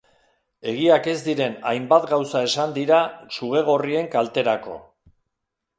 Egiak ez diren hainbat gauza esan izan dira sugegorrien kalterako.